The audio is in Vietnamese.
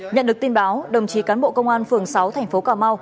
nhận được tin báo đồng chí cán bộ công an phường sáu tp cm